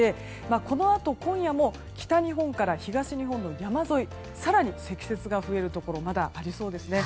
このあと今夜も北日本から東日本の山沿い更に積雪が増えるところまだありそうですね。